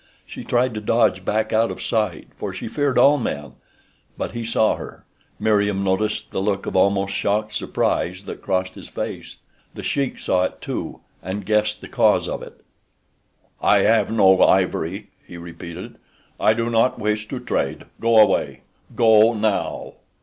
She tried to dodge back out of sight, for she feared all men; but he saw her. Meriem noticed the look of almost shocked surprise that crossed his face. The Sheik saw it too, and guessed the cause of it. "I have no ivory," he repeated. "I do not wish to trade. Go away. Go now."